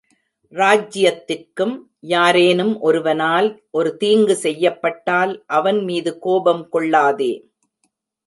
ராஜ்யத்திற்கும் யாரேனும் ஒருவனால் ஒரு தீங்கு செய்யப்பட்டால் அவன்மீது கோபம் கொள்ளாதே.